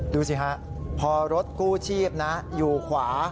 ดูสิฮะพอรถกู้ชีพนะอยู่ขวา